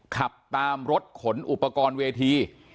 ขับตามรถขนอุปกรณ์เวที